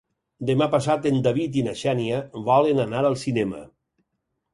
Demà passat en David i na Xènia volen anar al cinema.